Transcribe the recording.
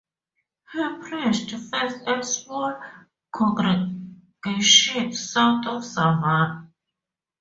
He preached first at small congregations south of Savannah.